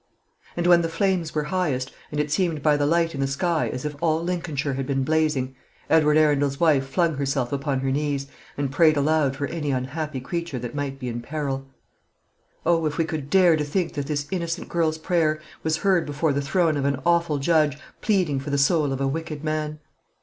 And when the flames were highest, and it seemed by the light in the sky as if all Lincolnshire had been blazing, Edward Arundel's wife flung herself upon her knees, and prayed aloud for any unhappy creature that might be in peril. Oh, if we could dare to think that this innocent girl's prayer was heard before the throne of an Awful Judge, pleading for the soul of a wicked man!